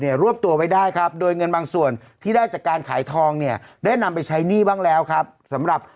แล้วก็ถ้ามีเงินน้อยในปริมาณที่เราทำได้